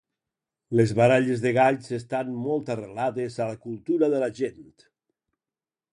Les baralles de galls estan molt arrelades a la cultura de la gent.